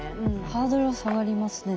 ハードルは下がりますね